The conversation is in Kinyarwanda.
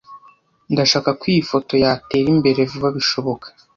Ndashaka ko iyi foto yatera imbere vuba bishoboka.